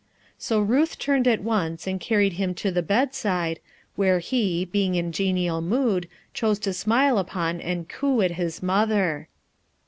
So Ruth turned at once and carried him to the bedside, where he, being in genial mood, chose to smile upon and coo at his mother.